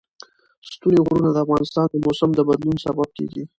ستوني غرونه د افغانستان د موسم د بدلون سبب کېږي.